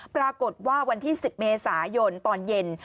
ปรากฏว่าวันที่๑๐เมษายนตอนเย็น